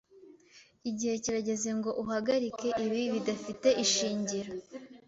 Igihe kirageze ngo uhagarike ibi bidafite ishingiro.